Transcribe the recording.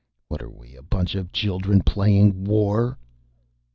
"What are we, a bunch children playing war?"